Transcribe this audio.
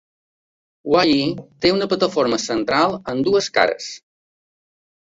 Wyee té una plataforma central amb dues cares.